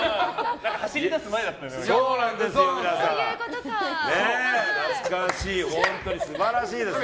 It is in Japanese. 走り出す前だったよね。